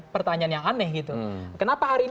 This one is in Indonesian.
pertanyaan yang aneh gitu kenapa hari ini